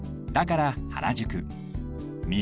だから原宿